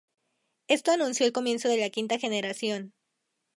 Esto anunció el comienzo de la quinta generación.